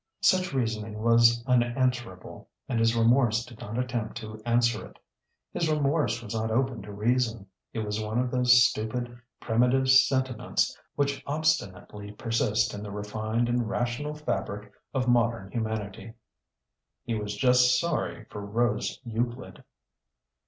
Such reasoning was unanswerable, and his remorse did not attempt to answer it. His remorse was not open to reason; it was one of those stupid, primitive sentiments which obstinately persist in the refined and rational fabric of modern humanity. He was just sorry for Rose Euclid.